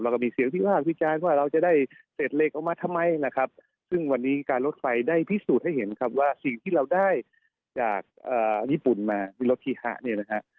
ก็มีเสียงวิพากษ์วิจารณ์ว่าเราจะได้เศษเหล็กออกมาทำไมนะครับซึ่งวันนี้การรถไฟได้พิสูจน์ให้เห็นครับว่าสิ่งที่เราได้จากญี่ปุ่นมาวิโรธีฮะเนี่ยนะฮะ